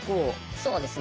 そうですね。